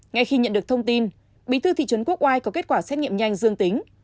ngay khi nhận được thông tin bí thư thị trấn quốc oai có kết quả xét nghiệm nhanh dương tính